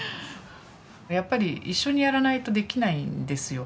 やっぱり一緒にやらないとできないんですよ。